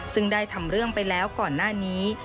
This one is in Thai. ซึ่งได้ทำเรื่องไปแล้วก่อนหน้านี้